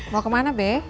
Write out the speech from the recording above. mau kemana be